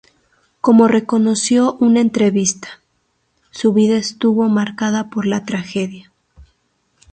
Como reconoció en una entrevista, su vida estuvo marcada por la tragedia.